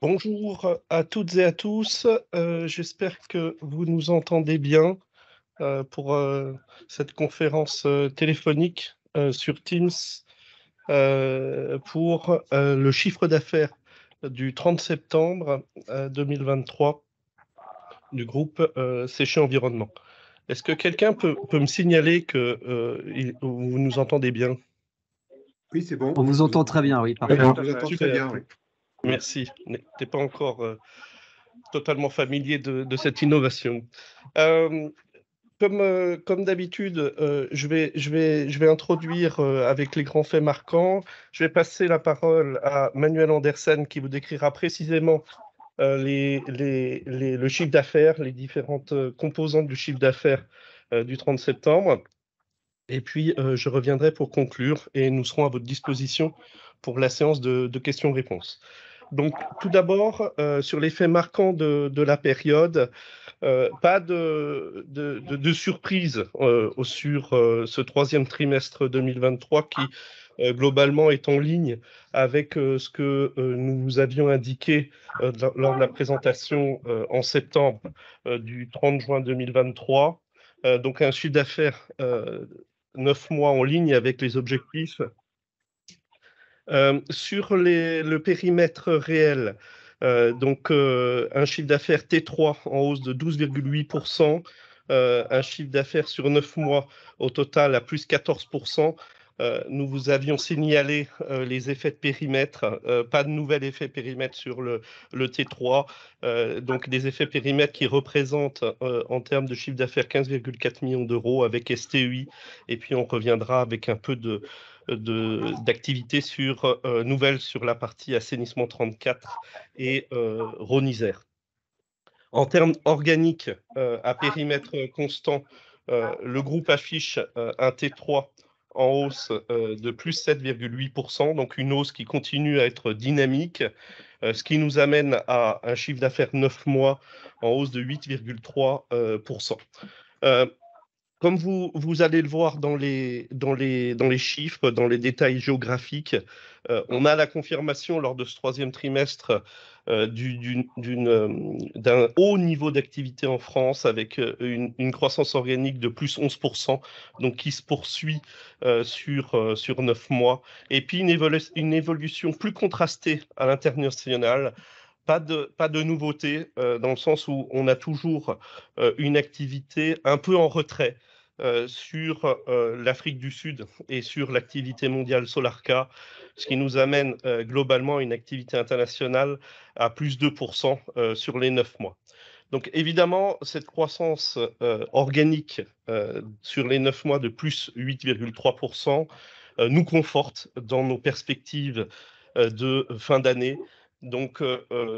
Bonjour à toutes et à tous. J'espère que vous nous entendez bien pour cette conférence téléphonique sur Teams pour le chiffre d'affaires du 30 septembre 2023 du groupe Séché Environnement. Est-ce que quelqu'un peut me signaler que vous nous entendez bien? Oui, c'est bon. On vous entend très bien, oui, parfait. On vous entend très bien, oui. Merci. Je ne suis pas encore totalement familier de cette innovation. Comme d'habitude, je vais introduire avec les grands faits marquants. Je vais passer la parole à Manuel Andersen, qui vous décrira précisément les différentes composantes du chiffre d'affaires du 30 septembre. Et puis je reviendrai pour conclure et nous serons à votre disposition pour la séance de questions-réponses. Donc, tout d'abord, sur les faits marquants de la période, pas de surprise sur ce troisième trimestre 2023, qui, globalement, est en ligne avec ce que nous vous avions indiqué lors de la présentation en septembre du 30 juin 2023. Donc un chiffre d'affaires neuf mois en ligne avec les objectifs. Sur le périmètre réel, donc un chiffre d'affaires T3 en hausse de 12,8%, un chiffre d'affaires sur neuf mois au total à plus 14%. Nous vous avions signalé les effets de périmètre. Pas de nouvel effet de périmètre sur le T3. Donc des effets de périmètre qui représentent, en termes de chiffre d'affaires, €15,4 millions avec STUI. Et puis, on reviendra avec un peu d'activités sur nouvelles, sur la partie assainissement 34 et Rhônisère. En termes organiques, à périmètre constant, le groupe affiche un T3 en hausse de plus 7,8%, donc une hausse qui continue à être dynamique, ce qui nous amène à un chiffre d'affaires neuf mois en hausse de 8,3%. Comme vous allez le voir dans les chiffres, dans les détails géographiques, on a la confirmation, lors de ce troisième trimestre, d'un haut niveau d'activité en France, avec une croissance organique de plus 11%, qui se poursuit sur neuf mois. Et puis, une évolution plus contrastée à l'international. Pas de nouveauté dans le sens où on a toujours une activité un peu en retrait sur l'Afrique du Sud et sur l'activité mondiale Solarca, ce qui nous amène globalement à une activité internationale à plus 2% sur les neuf mois. Donc, évidemment, cette croissance organique sur les neuf mois de plus 8,3% nous conforte dans nos perspectives de fin d'année.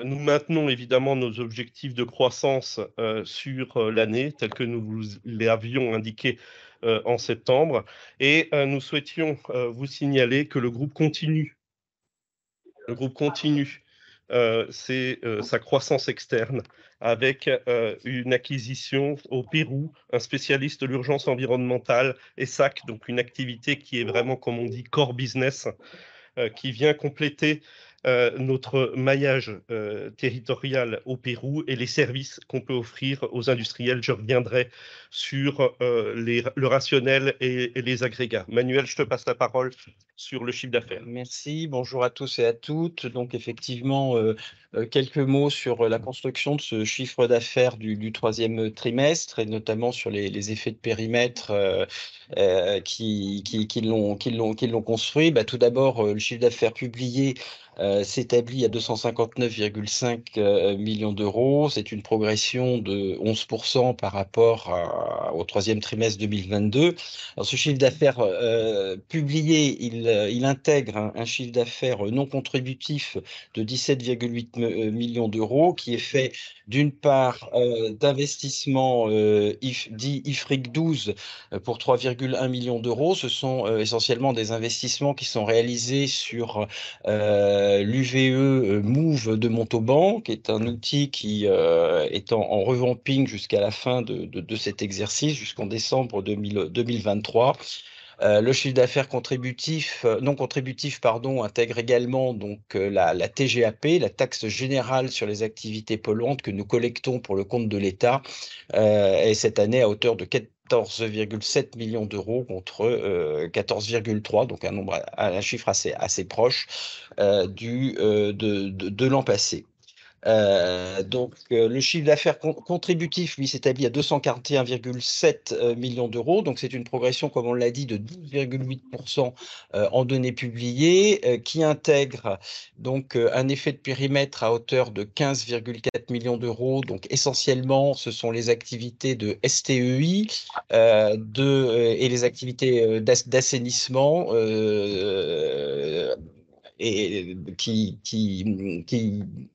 Nous maintenons évidemment nos objectifs de croissance sur l'année, tels que nous vous les avions indiqués en septembre. Nous souhaitions vous signaler que le groupe continue sa croissance externe avec une acquisition au Pérou, un spécialiste de l'urgence environnementale, ESAC, une activité qui est vraiment core business, qui vient compléter notre maillage territorial au Pérou et les services qu'on peut offrir aux industriels. Je reviendrai sur le rationnel et les agrégats. Manuel, je te passe la parole sur le chiffre d'affaires. Merci. Bonjour à tous et à toutes. Donc, effectivement, quelques mots sur la construction de ce chiffre d'affaires du troisième trimestre et notamment sur les effets de périmètre qui l'ont construit. Tout d'abord, le chiffre d'affaires publié s'établit à 259,5 millions d'euros. C'est une progression de 11% par rapport au troisième trimestre 2022. Ce chiffre d'affaires publié intègre un chiffre d'affaires non contributif de 17,8 millions d'euros, qui est fait d'une part d'investissements dits IFRIC 12, pour 3,1 millions d'euros. Ce sont essentiellement des investissements qui sont réalisés sur l'UVE Moov de Montauban, qui est un outil qui est en revamping jusqu'à la fin de cet exercice, jusqu'en décembre 2023. Le chiffre d'affaires non contributif intègre également la TGAP, la taxe générale sur les activités polluantes, que nous collectons pour le compte de l'État, et cette année, à hauteur de 14,7 millions d'euros, contre 14,3, donc un nombre, un chiffre assez proche de l'an passé. Donc, le chiffre d'affaires contributif, lui, s'établit à 241,7 millions d'euros. Donc, c'est une progression, comme on l'a dit, de 12,8% en données publiées, qui intègre donc un effet de périmètre à hauteur de 15,4 millions d'euros. Donc, essentiellement, ce sont les activités de STUI et les activités d'assainissement qui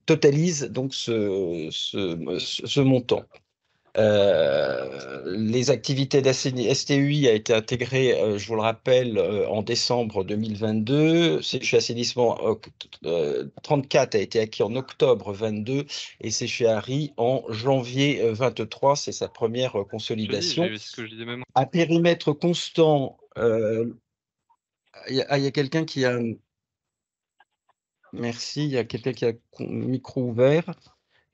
totalisent donc ce montant. Les activités d'assainissement, STUI a été intégré, je vous le rappelle, en décembre 2022. Séché Assainissement 34 a été acquis en octobre 2022 et Séché Haris en janvier 2023. C'est sa première consolidation. À périmètre constant, il y a quelqu'un qui a le micro ouvert.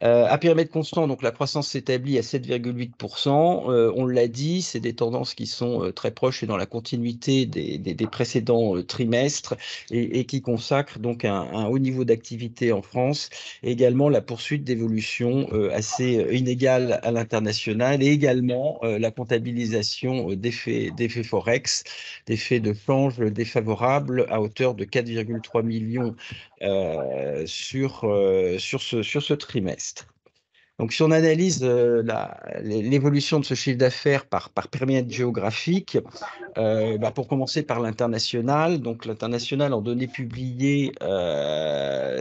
À périmètre constant, donc la croissance s'établit à 7,8%. On l'a dit, c'est des tendances qui sont très proches et dans la continuité des précédents trimestres et qui consacrent donc un haut niveau d'activité en France. Également, la poursuite d'évolution assez inégale à l'international et également la comptabilisation d'effets, d'effets Forex, d'effets de change défavorables à hauteur de €4,3 millions sur ce trimestre. Si on analyse l'évolution de ce chiffre d'affaires par périmètre géographique, pour commencer par l'international, l'international, en données publiées,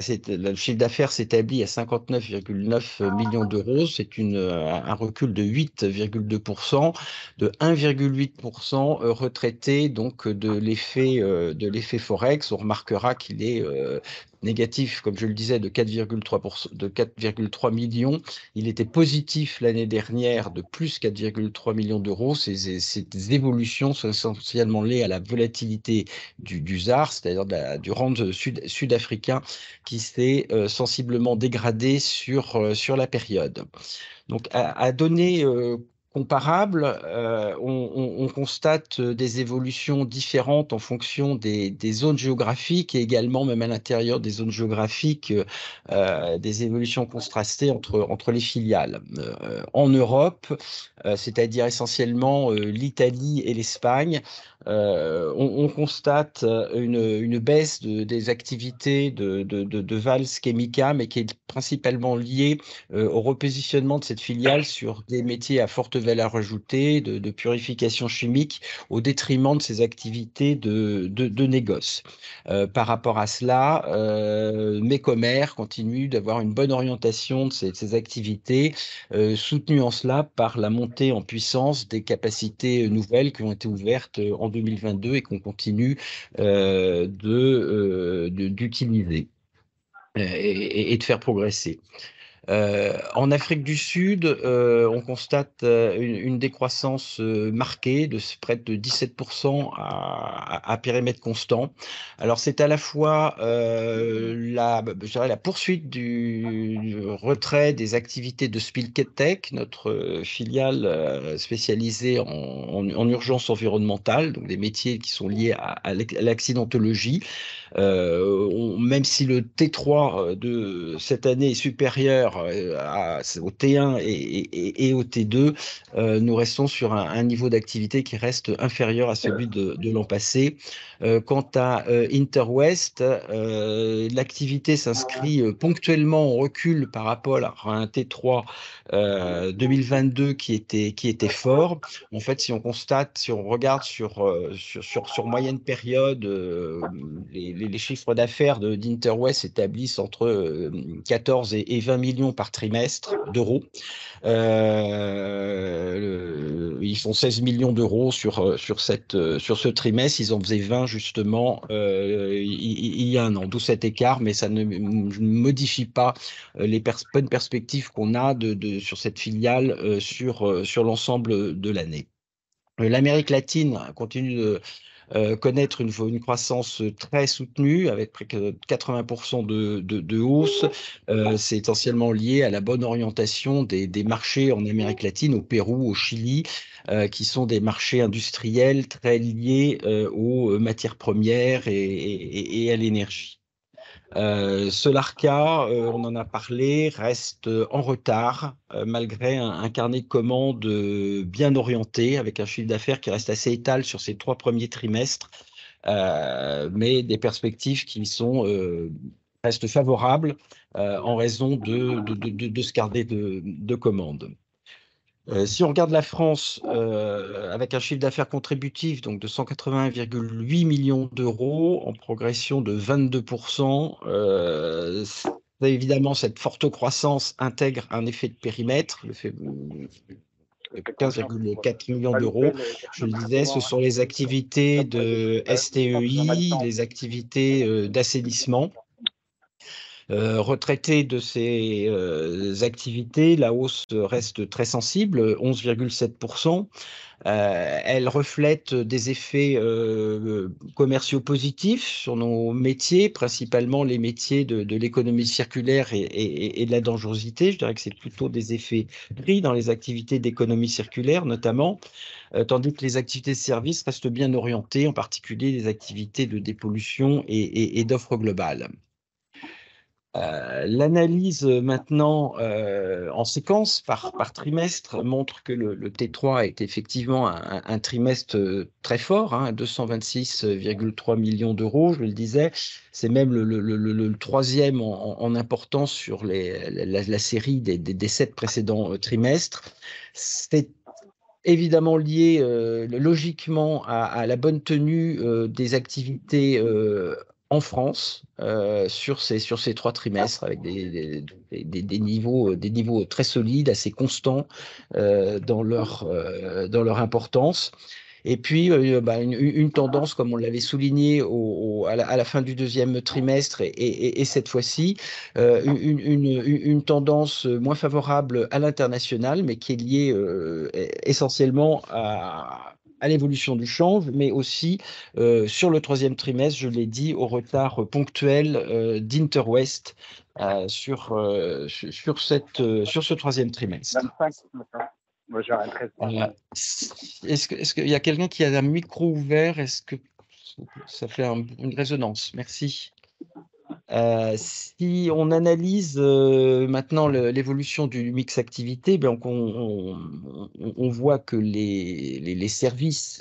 c'est, le chiffre d'affaires s'établit à €59,9 millions. C'est un recul de 8,2%, de 1,8% retraité de l'effet Forex. On remarquera qu'il est négatif, comme je le disais, de 4,3%, de €4,3 millions. Il était positif l'année dernière de plus €4,3 millions. Ces évolutions sont essentiellement liées à la volatilité du ZAR, c'est-à-dire du rand sud-africain, qui s'est sensiblement dégradé sur la période. Donc, à données comparables, on constate des évolutions différentes en fonction des zones géographiques et également, même à l'intérieur des zones géographiques, des évolutions contrastées entre les filiales. En Europe, c'est-à-dire essentiellement l'Italie et l'Espagne, on constate une baisse des activités de Valls Chemical, mais qui est principalement liée au repositionnement de cette filiale sur des métiers à forte valeur ajoutée, de purification chimique, au détriment de ses activités de négoce. Par rapport à cela, Mecomère continue d'avoir une bonne orientation de ses activités, soutenue en cela par la montée en puissance des capacités nouvelles qui ont été ouvertes en 2022 et qu'on continue d'utiliser et de faire progresser. En Afrique du Sud, on constate une décroissance marquée de près de 17% à périmètre constant. Alors, c'est à la fois la poursuite du retrait des activités de Spill Tech, notre filiale spécialisée en urgence environnementale, donc des métiers qui sont liés à l'accidentologie. Même si le T3 de cette année est supérieur au T1 et au T2, nous restons sur un niveau d'activité qui reste inférieur à celui de l'an passé. Quant à Interwest, l'activité s'inscrit ponctuellement en recul par rapport à un T3 2022 qui était fort. En fait, si on constate, si on regarde sur moyenne période, les chiffres d'affaires d'Interwest s'établissent entre 14 et 20 millions par trimestre d'euros. Ils font 16 millions d'euros sur ce trimestre. Ils en faisaient 20, justement, il y a un an. D'où cet écart, mais ça ne modifie pas les bonnes perspectives qu'on a sur cette filiale, sur l'ensemble de l'année. L'Amérique latine continue de connaître une croissance très soutenue, avec près de 80% de hausse. C'est essentiellement lié à la bonne orientation des marchés en Amérique latine, au Pérou, au Chili, qui sont des marchés industriels très liés aux matières premières et à l'énergie. Solarka, on en a parlé, reste en retard, malgré un carnet de commandes bien orienté, avec un chiffre d'affaires qui reste assez étale sur ces trois premiers trimestres, mais des perspectives qui restent favorables en raison de ce carnet de commandes. Si on regarde la France, avec un chiffre d'affaires contributif donc de 181,8 millions d'euros, en progression de 22%, évidemment, cette forte croissance intègre un effet de périmètre, l'effet 14,4 millions d'euros. Je le disais, ce sont les activités de STEI, les activités d'assainissement. Retraitées de ces activités, la hausse reste très sensible, 11,7%. Elle reflète des effets commerciaux positifs sur nos métiers, principalement les métiers de l'économie circulaire et de la dangerosité. Je dirais que c'est plutôt des effets pris dans les activités d'économie circulaire, notamment, tandis que les activités de services restent bien orientées, en particulier les activités de dépollution et d'offre globale. L'analyse maintenant en séquence par trimestre montre que le T3 est effectivement un trimestre très fort, 226,3 millions d'euros. Je le disais, c'est même le troisième en importance sur la série des sept précédents trimestres. C'est évidemment lié logiquement à la bonne tenue des activités en France sur ces trois trimestres, avec des niveaux très solides, assez constants dans leur importance. Et puis une tendance, comme on l'avait souligné à la fin du deuxième trimestre et cette fois-ci, une tendance moins favorable à l'international, mais qui est liée essentiellement à l'évolution du change, mais aussi sur le troisième trimestre, je l'ai dit, au retard ponctuel d'Interwest sur ce troisième trimestre. Est-ce qu'il y a quelqu'un qui a un micro ouvert? Est-ce que ça fait une résonance? Merci. Si on analyse maintenant l'évolution du mix activité, on voit que les services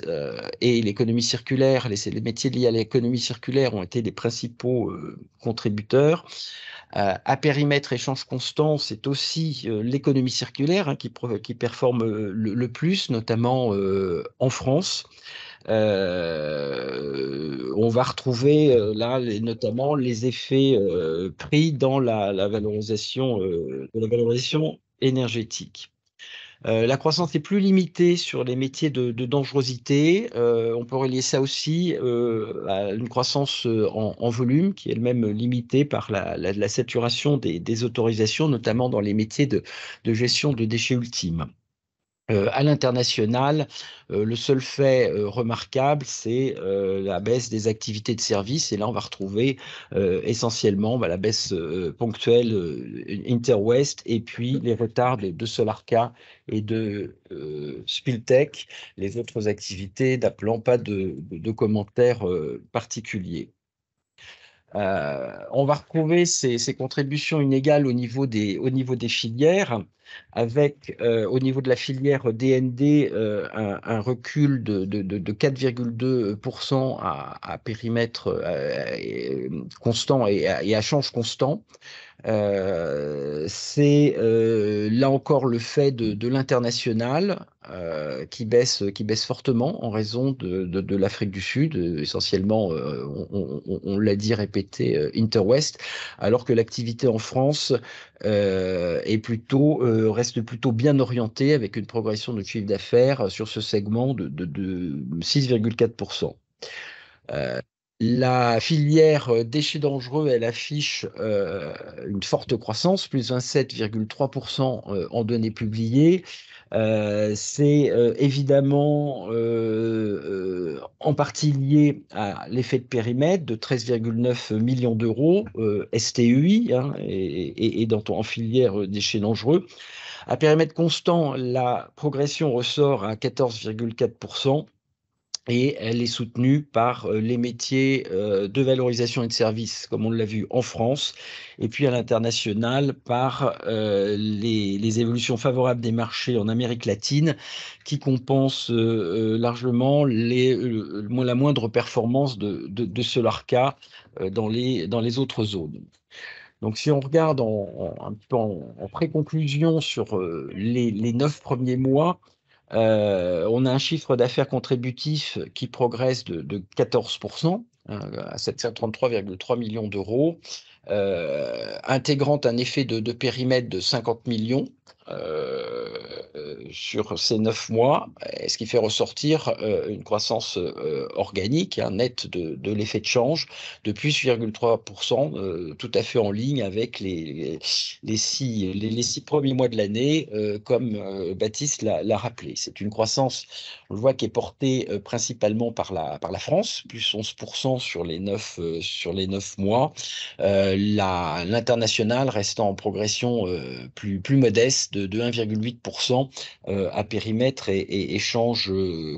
et l'économie circulaire, les métiers liés à l'économie circulaire ont été des principaux contributeurs. À périmètre échange constant, c'est aussi l'économie circulaire qui performe le plus, notamment en France. On va retrouver là, notamment, les effets pris dans la valorisation de la valorisation énergétique. La croissance est plus limitée sur les métiers de dangerosité. On peut relier ça aussi à une croissance en volume, qui est elle-même limitée par la saturation des autorisations, notamment dans les métiers de gestion de déchets ultimes. À l'international, le seul fait remarquable, c'est la baisse des activités de services. Et là, on va retrouver essentiellement la baisse ponctuelle Interwest et puis les retards de Solarka et de Spiltech, les autres activités n'appelant pas de commentaires particuliers. On va retrouver ces contributions inégales au niveau des filières, avec au niveau de la filière DND un recul de 4,2% à périmètre constant et à change constant. C'est là encore le fait de l'international qui baisse fortement en raison de l'Afrique du Sud essentiellement, on l'a dit, répété, Interwest, alors que l'activité en France est plutôt, reste plutôt bien orientée, avec une progression de chiffre d'affaires sur ce segment de 6,4%. La filière déchets dangereux, elle affiche une forte croissance, plus 27,3% en données publiées. C'est évidemment en partie lié à l'effet de périmètre de €13,9 millions, STUI et en filière déchets dangereux. À périmètre constant, la progression ressort à 14,4% et elle est soutenue par les métiers de valorisation et de services, comme on l'a vu en France. Et puis, à l'international, par les évolutions favorables des marchés en Amérique latine, qui compensent largement la moindre performance de Solarka dans les autres zones. Si on regarde en un petit peu en pré-conclusion sur les neuf premiers mois, on a un chiffre d'affaires contributif qui progresse de 14% à €733.3 millions, intégrant un effet de périmètre de €50 millions sur ces neuf mois, ce qui fait ressortir une croissance organique, net de l'effet de change, de +3%, tout à fait en ligne avec les six premiers mois de l'année, comme Baptiste l'a rappelé. C'est une croissance, on le voit, qui est portée principalement par la France, +11% sur les neuf mois. L'international restant en progression plus modeste de 1,8%, à périmètre et échanges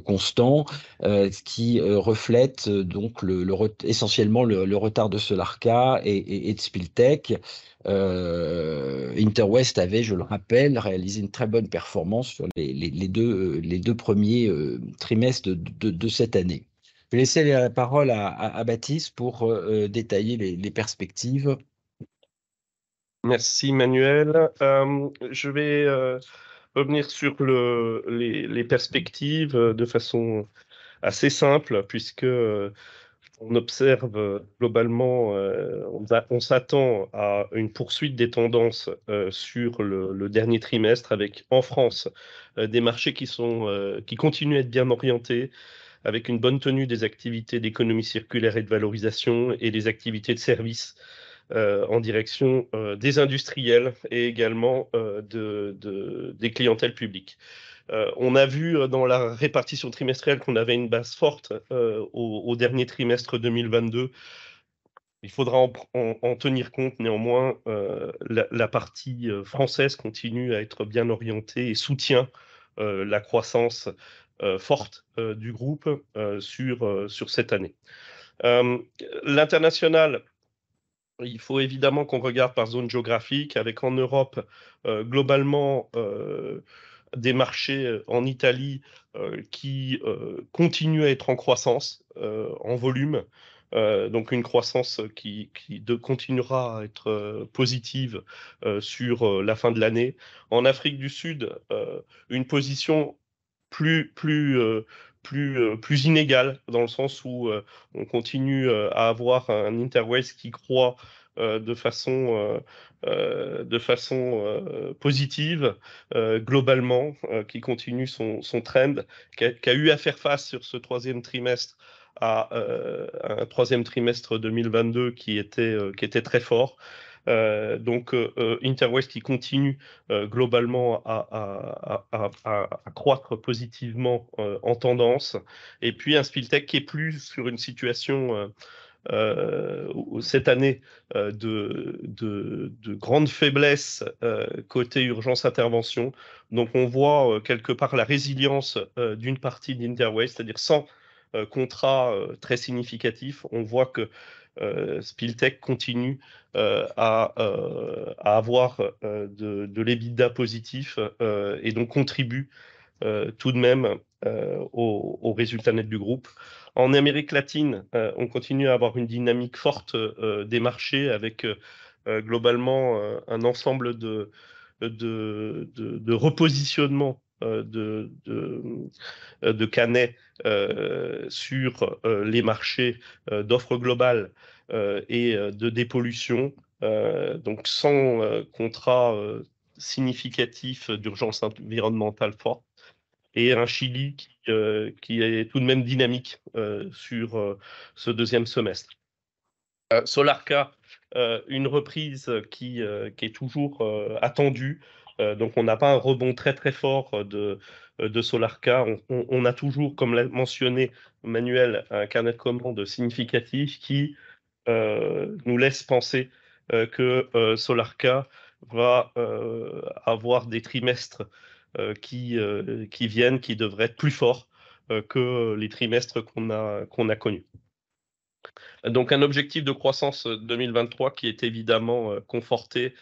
constants, ce qui reflète donc essentiellement le retard de Solarka et de Spiltech. Interwest avait, je le rappelle, réalisé une très bonne performance sur les deux premiers trimestres de cette année. Je vais laisser la parole à Baptiste pour détailler les perspectives. Merci Manuel. Je vais revenir sur les perspectives de façon assez simple, puisqu'on observe globalement, on s'attend à une poursuite des tendances sur le dernier trimestre, avec, en France, des marchés qui continuent à être bien orientés, avec une bonne tenue des activités d'économie circulaire et de valorisation et des activités de services en direction des industriels et également des clientèles publiques. On a vu dans la répartition trimestrielle qu'on avait une base forte au dernier trimestre 2022. Il faudra en tenir compte. Néanmoins, la partie française continue à être bien orientée et soutient la croissance forte du groupe sur cette année. L'international, il faut évidemment qu'on regarde par zone géographique, avec en Europe, globalement, des marchés en Italie qui continuent à être en croissance en volume. Donc une croissance qui continuera à être positive sur la fin de l'année. En Afrique du Sud, une position plus inégale, dans le sens où on continue à avoir un Interwest qui croît de façon positive, globalement, qui continue son trend, qui a eu à faire face sur ce troisième trimestre à un troisième trimestre 2022 qui était très fort. Donc Interwest qui continue globalement à croître positivement en tendance. Et puis un Spiltec qui est plus sur une situation, cette année, de grande faiblesse côté urgence intervention. Donc, on voit quelque part la résilience d'une partie d'Interwest, c'est-à-dire sans contrat très significatif. On voit que Spiltec continue à avoir de l'EBITDA positif et donc contribue tout de même au résultat net du groupe. En Amérique latine, on continue à avoir une dynamique forte des marchés, avec globalement un ensemble de repositionnement de Canet sur les marchés d'offre globale et de dépollution, donc sans contrat significatif d'urgence environnementale forte. Et un Chili qui est tout de même dynamique sur ce deuxième semestre. Solarca, une reprise qui est toujours attendue. Donc on n'a pas un rebond très très fort de Solarca. On a toujours, comme l'a mentionné Manuel, un carnet de commandes significatif qui nous laisse penser que Solarca va avoir des trimestres qui viennent, qui devraient être plus forts que les trimestres qu'on a connus. Donc un objectif de croissance 2023 qui est évidemment conforté,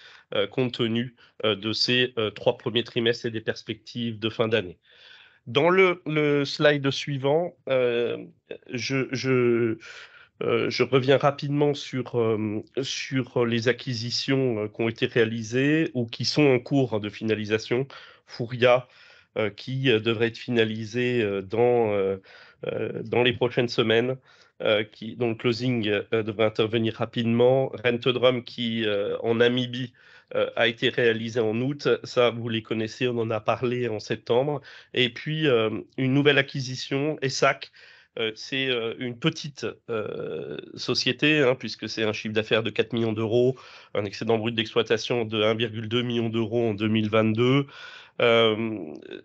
compte tenu de ces trois premiers trimestres et des perspectives de fin d'année. Dans le slide suivant, je reviens rapidement sur les acquisitions qui ont été réalisées ou qui sont en cours de finalisation. Fourya, qui devrait être finalisée dans les prochaines semaines, qui... donc le closing devrait intervenir rapidement. Rentodrum, qui, en Namibie, a été réalisée en août. Ça, vous les connaissez, on en a parlé en septembre. Et puis une nouvelle acquisition, ESAC. C'est une petite société, puisque c'est un chiffre d'affaires de 4 millions d'euros, un excédent brut d'exploitation de 1,2 million d'euros en 2022.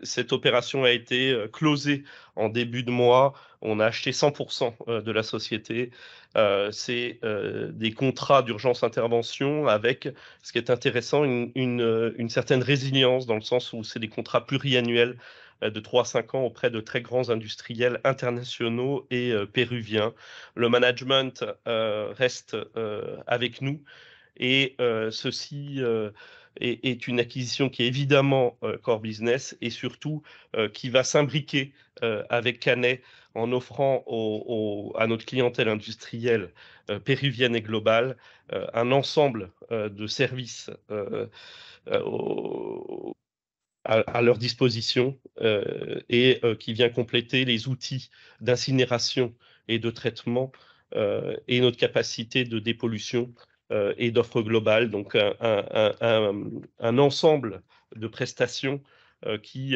Cette opération a été closée en début de mois. On a acheté 100% de la société. C'est des contrats d'urgence intervention avec, ce qui est intéressant, une certaine résilience, dans le sens où c'est des contrats pluriannuels de trois à cinq ans auprès de très grands industriels internationaux et péruviens. Le management reste avec nous et ceci est une acquisition qui est évidemment core business et surtout qui va s'imbriquer avec Canet en offrant à notre clientèle industrielle péruvienne et globale un ensemble de services à leur disposition et qui vient compléter les outils d'incinération et de traitement et notre capacité de dépollution et d'offre globale. Donc, un ensemble de prestations qui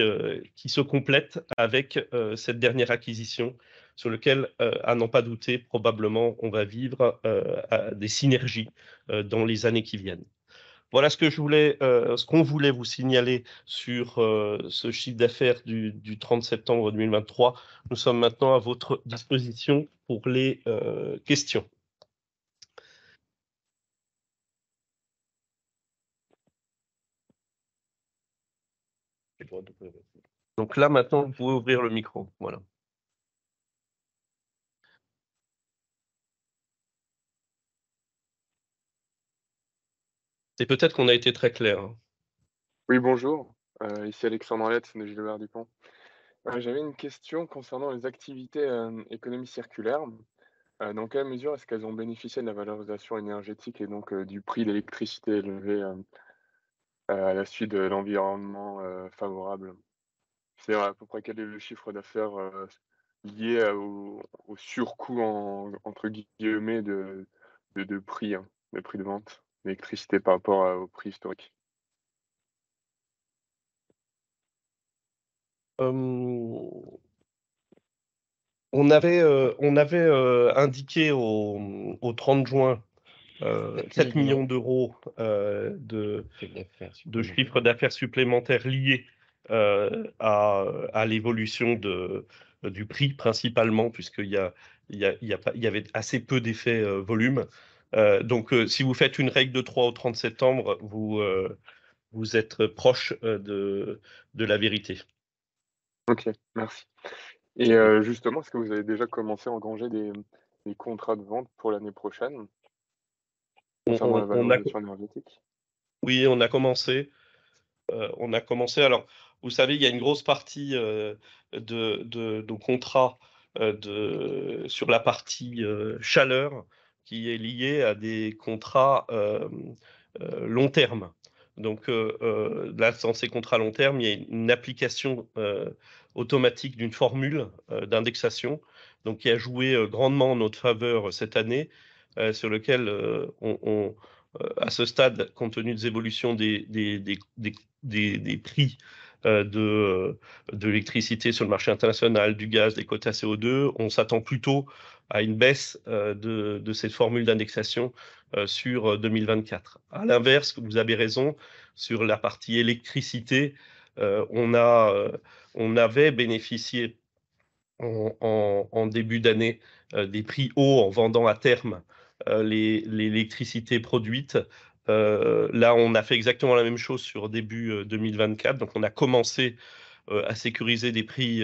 se complètent avec cette dernière acquisition, sur lequel, à n'en pas douter, probablement, on va vivre des synergies dans les années qui viennent. Voilà ce que je voulais, ce qu'on voulait vous signaler sur ce chiffre d'affaires du 30 septembre 2023. Nous sommes maintenant à votre disposition pour les questions. Donc là, maintenant, vous pouvez ouvrir le micro. Voilà. C'est peut-être qu'on a été très clair. Oui, bonjour, ici Alexandre Arlette, de chez Gilbert Dupont. J'avais une question concernant les activités économie circulaire. Dans quelle mesure est-ce qu'elles ont bénéficié de la valorisation énergétique et donc du prix d'électricité élevé à la suite de l'environnement favorable? C'est-à-dire à peu près quel est le chiffre d'affaires lié au surcoût, entre guillemets, de prix, de prix de vente d'électricité par rapport au prix historique? On avait indiqué au 30 juin €7 millions de Chiffre d'affaires. De chiffre d'affaires supplémentaire lié à l'évolution du prix principalement, puisqu'il y a pas, y avait assez peu d'effet volume. Donc, si vous faites une règle de trois au 30 septembre, vous êtes proche de la vérité. OK, merci. Et justement, est-ce que vous avez déjà commencé à engranger des contrats de vente pour l'année prochaine? Oui, on a commencé. Alors, vous savez, il y a une grosse partie de nos contrats sur la partie chaleur qui est liée à des contrats long terme. Donc, dans ces contrats long terme, il y a une application automatique d'une formule d'indexation, donc, qui a joué grandement en notre faveur cette année, sur lequel on, à ce stade, compte tenu des évolutions des prix de l'électricité sur le marché international, du gaz, des quotas CO2, on s'attend plutôt à une baisse de cette formule d'indexation sur 2024. À l'inverse, vous avez raison, sur la partie électricité, on avait bénéficié en début d'année des prix hauts en vendant à terme l'électricité produite. Là, on a fait exactement la même chose sur début 2024. Donc on a commencé à sécuriser des prix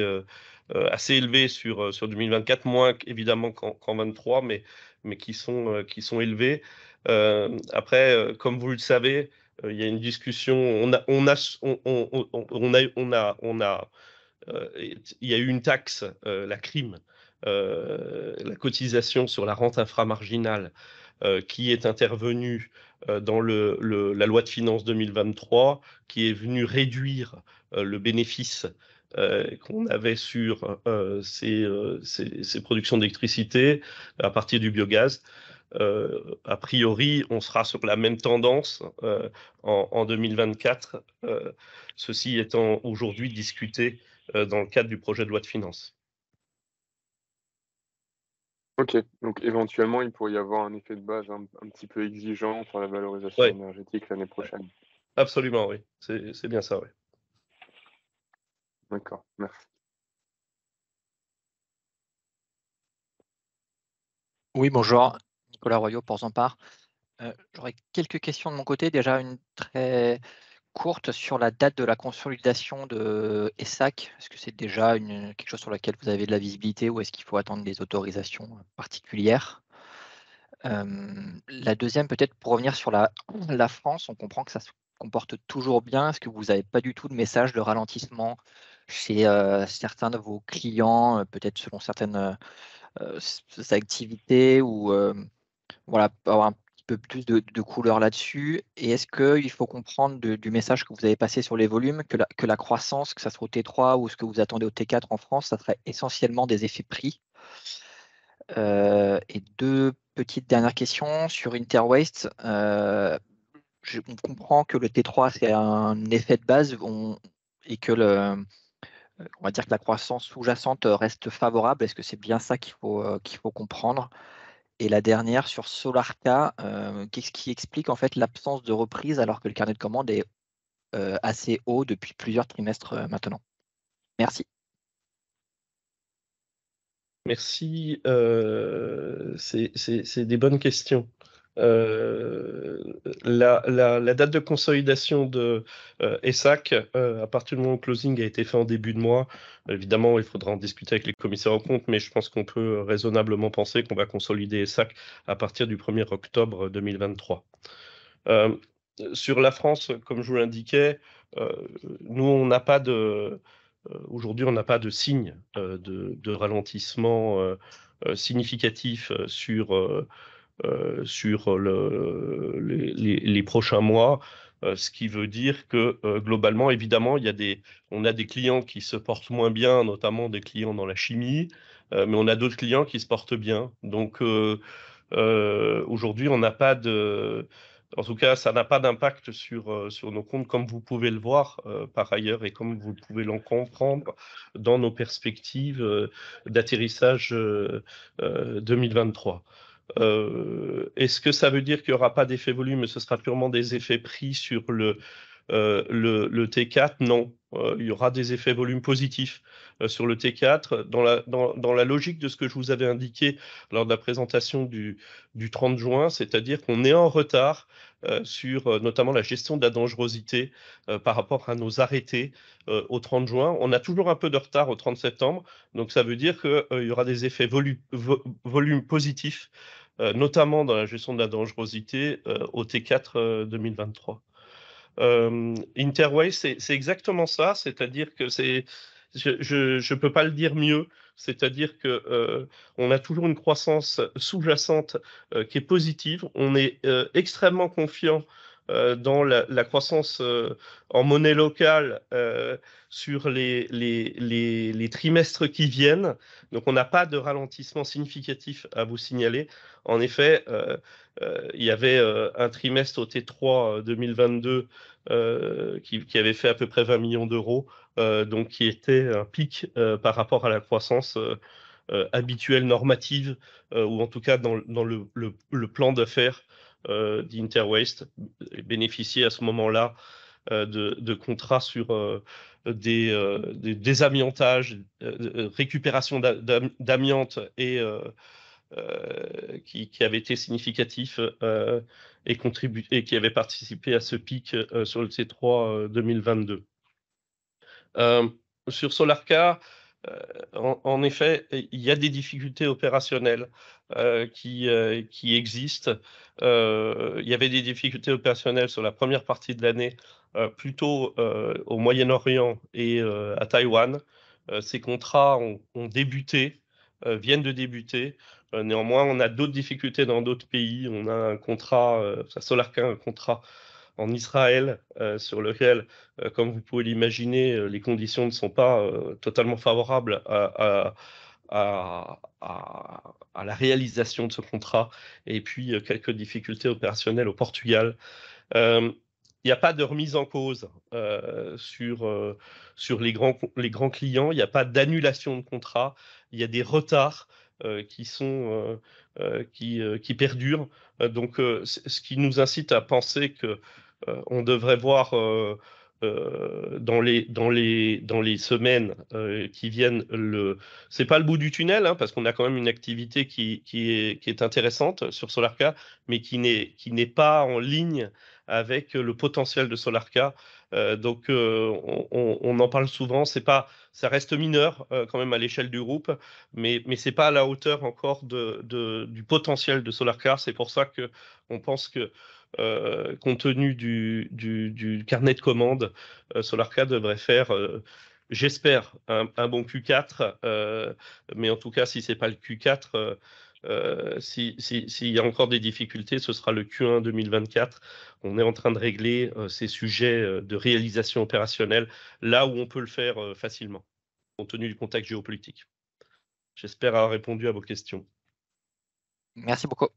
assez élevés sur 2024, moins évidemment qu'en 2023, mais qui sont élevés. Après, comme vous le savez, il y a une discussion. Il y a eu une taxe, la CRIM, la cotisation sur la rente inframarginale, qui est intervenue dans la loi de finances 2023, qui est venue réduire le bénéfice qu'on avait sur ces productions d'électricité à partir du biogaz. A priori, on sera sur la même tendance en 2024, ceci étant aujourd'hui discuté dans le cadre du projet de loi de finances. OK. Donc éventuellement, il pourrait y avoir un effet de base un petit peu exigeant sur la valorisation énergétique l'année prochaine. Absolument, oui. C'est bien ça, oui. D'accord, merci. Oui, bonjour, Nicolas Royaux, Portzamparc. J'aurais quelques questions de mon côté. Déjà, une très courte sur la date de la consolidation de ESSAK. Est-ce que c'est déjà quelque chose sur laquelle vous avez de la visibilité ou est-ce qu'il faut attendre des autorisations particulières? La deuxième, peut-être, pour revenir sur la France, on comprend que ça se comporte toujours bien. Est-ce que vous n'avez pas du tout de message de ralentissement chez certains de vos clients, peut-être selon certaines activités ou voilà, pour avoir un petit peu plus de couleur là-dessus. Et est-ce qu'il faut comprendre du message que vous avez passé sur les volumes, que la croissance, que ça soit au T3 ou ce que vous attendez au T4 en France, ça serait essentiellement des effets prix? Et deux petites dernières questions sur Interwaste. Je comprends que le T3, c'est un effet de base, et que la croissance sous-jacente reste favorable. Est-ce que c'est bien ça qu'il faut comprendre? Et la dernière, sur Solarca, qu'est-ce qui explique en fait l'absence de reprise alors que le carnet de commandes est assez haut depuis plusieurs trimestres maintenant? Merci. Merci, c'est des bonnes questions. La date de consolidation de ESSAK, à partir du moment où le closing a été fait en début de mois, évidemment, il faudra en discuter avec les commissaires aux comptes, mais je pense qu'on peut raisonnablement penser qu'on va consolider ESSAK à partir du 1er octobre 2023. Sur la France, comme je vous l'indiquais, nous, on n'a pas de... aujourd'hui, on n'a pas de signe de ralentissement significatif sur les prochains mois. Ce qui veut dire que globalement, évidemment, il y a des, on a des clients qui se portent moins bien, notamment des clients dans la chimie, mais on a d'autres clients qui se portent bien. Donc aujourd'hui, on n'a pas de... En tout cas, ça n'a pas d'impact sur nos comptes, comme vous pouvez le voir, par ailleurs, et comme vous pouvez le comprendre dans nos perspectives d'atterrissage 2023. Est-ce que ça veut dire qu'il n'y aura pas d'effet volume et ce sera purement des effets prix sur le T4? Non, il y aura des effets volumes positifs sur le T4. Dans la logique de ce que je vous avais indiqué lors de la présentation du 30 juin, c'est-à-dire qu'on est en retard sur notamment la gestion de la dangerosité par rapport à nos arrêtés au 30 juin. On a toujours un peu de retard au 30 septembre. Donc, ça veut dire qu'il y aura des effets volumes positifs, notamment dans la gestion de la dangerosité au T4 2023. Interwaste, c'est exactement ça. C'est-à-dire que c'est je ne peux pas le dire mieux. C'est-à-dire que on a toujours une croissance sous-jacente qui est positive. On est extrêmement confiant dans la croissance en monnaie locale sur les trimestres qui viennent. Donc, on n'a pas de ralentissement significatif à vous signaler. En effet, il y avait un trimestre au T3 2022 qui avait fait à peu près 20 millions d'euros, donc qui était un pic par rapport à la croissance habituelle, normative ou en tout cas dans le plan d'affaires d'Interwaste, bénéficiait à ce moment-là de contrats sur des désamiantages, récupération d'amiante et... Qui avaient été significatifs et contribué, et qui avaient participé à ce pic sur le T3 2022. Sur Solarca, en effet, il y a des difficultés opérationnelles qui existent. Il y avait des difficultés opérationnelles sur la première partie de l'année, plutôt au Moyen-Orient et à Taïwan. Ces contrats ont débuté, viennent de débuter. Néanmoins, on a d'autres difficultés dans d'autres pays. On a un contrat, enfin, Solarca a un contrat en Israël sur lequel, comme vous pouvez l'imaginer, les conditions ne sont pas totalement favorables à la réalisation de ce contrat. Et puis, quelques difficultés opérationnelles au Portugal. Il n'y a pas de remise en cause sur les grands clients. Il n'y a pas d'annulation de contrat. Il y a des retards qui perdurent. Ce qui nous incite à penser qu'on devrait voir dans les semaines qui viennent le... C'est pas le bout du tunnel, hein, parce qu'on a quand même une activité qui est intéressante sur Solarca, mais qui n'est pas en ligne avec le potentiel de Solarca. On en parle souvent, c'est pas ça reste mineur quand même à l'échelle du groupe, mais ce n'est pas à la hauteur encore du potentiel de Solarca. C'est pour ça qu'on pense que compte tenu du carnet de commandes, Solarca devrait faire, j'espère, un bon Q4. Mais en tout cas, si ce n'est pas le Q4, s'il y a encore des difficultés, ce sera le Q1 2024. On est en train de régler ces sujets de réalisation opérationnelle là où on peut le faire facilement, compte tenu du contexte géopolitique. J'espère avoir répondu à vos questions. Merci beaucoup.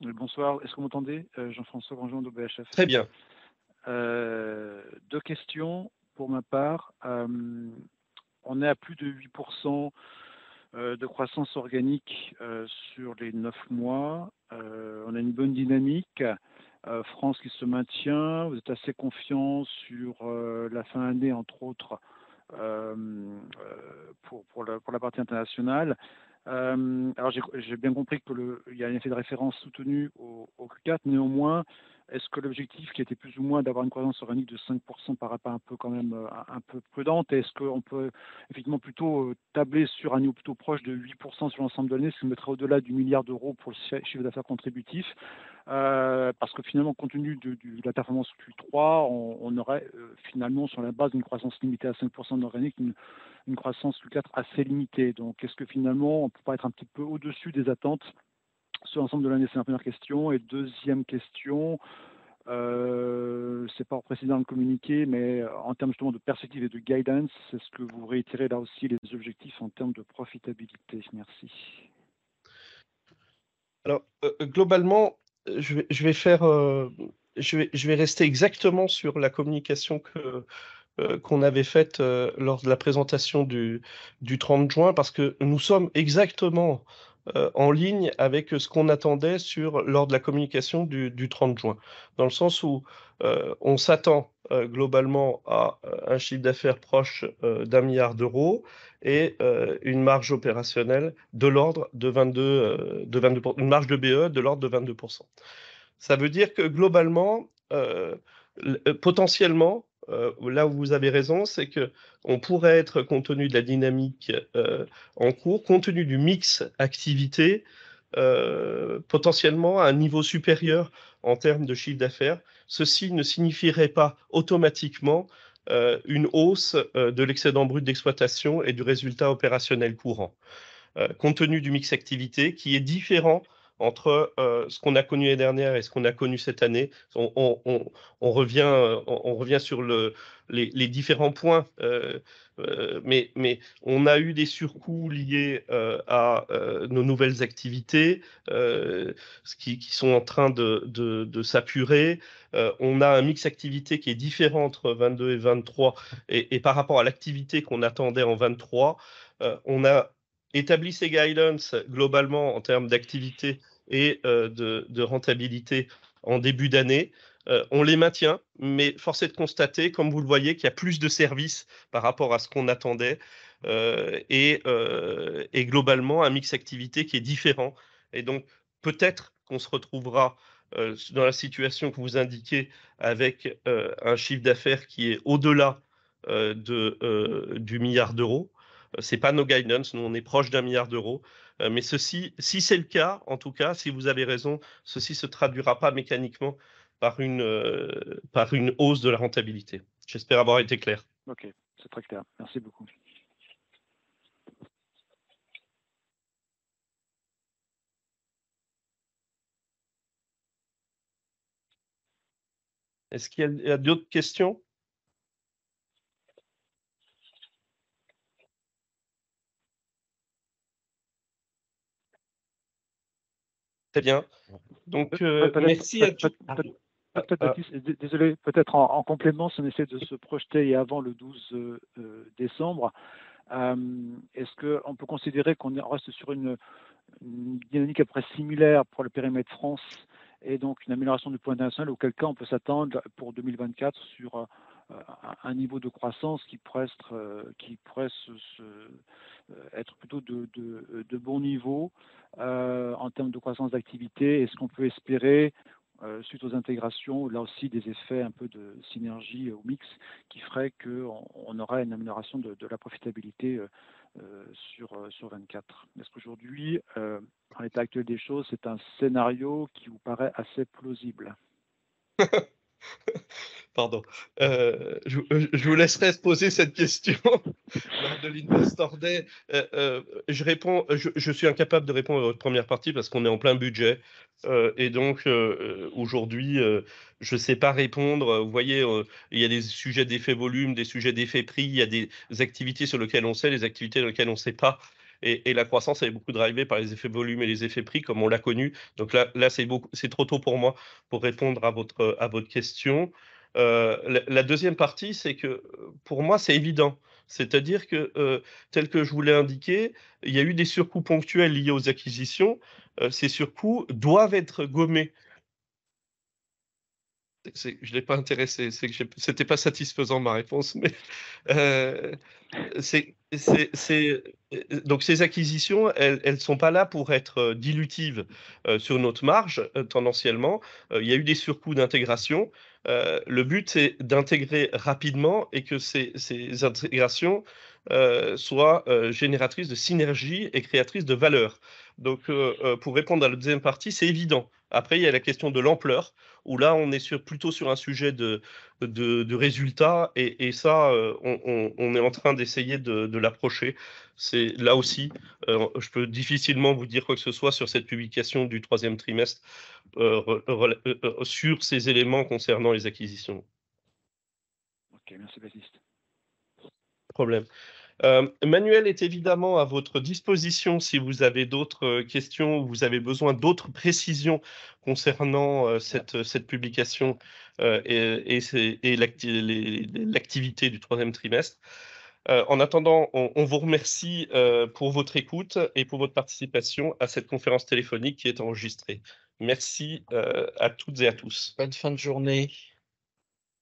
Bonsoir. Est-ce que vous m'entendez? Jean-François Granger d'OBHF. Très bien. Deux questions pour ma part. On est à plus de 8% de croissance organique sur les neuf mois. On a une bonne dynamique France qui se maintient. Vous êtes assez confiant sur la fin d'année, entre autres pour la partie internationale. Alors, j'ai bien compris qu'il y a un effet de référence soutenu au Q4. Néanmoins, est-ce que l'objectif, qui était plus ou moins d'avoir une croissance organique de 5%, paraît pas un peu quand même un peu prudent? Est-ce qu'on peut effectivement plutôt tabler sur un niveau plutôt proche de 8% sur l'ensemble de l'année, ce qui nous mettrait au-delà du milliard d'euros pour le chiffre d'affaires contributif? Parce que finalement, compte tenu de la performance Q3, on aurait finalement, sur la base d'une croissance limitée à 5% organique, une croissance Q4 assez limitée. Donc, est-ce que finalement, on ne peut pas être un petit peu au-dessus des attentes sur l'ensemble de l'année? C'est ma première question. Et deuxième question, ce n'est pas précisé dans le communiqué, mais en termes justement de perspectives et de guidance, est-ce que vous réitérez là aussi les objectifs en termes de profitabilité? Merci. Alors, globalement, je vais faire, je vais rester exactement sur la communication qu'on avait faite lors de la présentation du 30 juin, parce que nous sommes exactement en ligne avec ce qu'on attendait lors de la communication du 30 juin. Dans le sens où on s'attend globalement à un chiffre d'affaires proche d'un milliard d'euros et une marge opérationnelle de l'ordre de 22%, une marge de BE de l'ordre de 22%. Ça veut dire que globalement, potentiellement, là où vous avez raison, c'est qu'on pourrait être, compte tenu de la dynamique en cours, compte tenu du mix activité, potentiellement à un niveau supérieur en termes de chiffre d'affaires. Ceci ne signifierait pas automatiquement une hausse de l'excédent brut d'exploitation et du résultat opérationnel courant. Compte tenu du mix activité, qui est différent entre ce qu'on a connu l'année dernière et ce qu'on a connu cette année, on revient sur les différents points, mais on a eu des surcoûts liés à nos nouvelles activités, qui sont en train de s'apurer. On a un mix activité qui est différent entre 22 et 23 et par rapport à l'activité qu'on attendait en 23. On a établi ces guidelines globalement en termes d'activité et de rentabilité en début d'année. On les maintient, mais force est de constater, comme vous le voyez, qu'il y a plus de services par rapport à ce qu'on attendait, et globalement, un mix activité qui est différent. Donc, peut-être qu'on se retrouvera dans la situation que vous indiquez, avec un chiffre d'affaires qui est au-delà du milliard d'euros. Ce n'est pas nos guidelines. Nous, on est proche d'un milliard d'euros, mais ceci, si c'est le cas, en tout cas, si vous avez raison, ceci se traduira pas mécaniquement par une hausse de la rentabilité. J'espère avoir été clair. OK, c'est très clair. Merci beaucoup. Est-ce qu'il y a d'autres questions? Très bien. Donc, merci à tous. Désolé, peut-être en complément, si on essaie de se projeter avant le 12 décembre, est-ce qu'on peut considérer qu'on reste sur une dynamique à peu près similaire pour le périmètre France et donc une amélioration du point international, auquel cas on peut s'attendre, pour 2024, sur un niveau de croissance qui pourrait être, qui pourrait être plutôt de bon niveau. En termes de croissance d'activité, est-ce qu'on peut espérer, suite aux intégrations, là aussi, des effets un peu de synergie au mix, qui feraient qu'on aurait une amélioration de la profitabilité sur 24? Est-ce qu'aujourd'hui, en l'état actuel des choses, c'est un scénario qui vous paraît assez plausible? Pardon, je vous laisserai poser cette question, Madeline Bastordet. Je réponds, je suis incapable de répondre à votre première partie parce qu'on est en plein budget. Et donc, aujourd'hui, je ne sais pas répondre. Vous voyez, il y a des sujets d'effet volume, des sujets d'effet prix, il y a des activités sur lesquelles on sait, des activités sur lesquelles on ne sait pas. Et la croissance est beaucoup drivée par les effets volume et les effets prix, comme on l'a connu. Donc là, c'est beaucoup, c'est trop tôt pour moi pour répondre à votre question. La deuxième partie, c'est que pour moi, c'est évident. C'est-à-dire que, tel que je vous l'ai indiqué, il y a eu des surcoûts ponctuels liés aux acquisitions. Ces surcoûts doivent être gommés. Je ne l'ai pas intéressé, c'est que ce n'était pas satisfaisant ma réponse, mais c'est... Donc, ces acquisitions, elles ne sont pas là pour être dilutives sur notre marge. Tendanciellement, il y a eu des surcoûts d'intégration. Le but, c'est d'intégrer rapidement et que ces intégrations soient génératrices de synergies et créatrices de valeur. Donc, pour répondre à la deuxième partie, c'est évident. Après, il y a la question de l'ampleur, où là, on est plutôt sur un sujet de résultat. Et ça, on est en train d'essayer de l'approcher. C'est là aussi, je peux difficilement vous dire quoi que ce soit sur cette publication du troisième trimestre, voilà, sur ces éléments concernant les acquisitions. OK, merci Baptiste. Pas de problème. Manuel est évidemment à votre disposition si vous avez d'autres questions ou vous avez besoin d'autres précisions concernant cette publication et l'activité du troisième trimestre. En attendant, on vous remercie pour votre écoute et pour votre participation à cette conférence téléphonique qui est enregistrée. Merci à toutes et à tous. Bonne fin de journée.